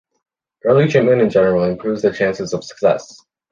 Early treatment in general improves the chances of success.